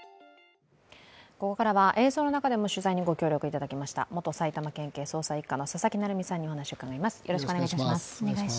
ここからは映像の中でも取材にご協力いただきました元埼玉県警捜査一課の佐々木成三さんにお話を伺います。